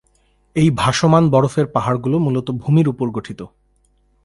এই ভাসমান বরফের পাহাড়গুলো মূলত ভূমির উপর গঠিত।